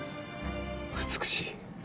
美しい。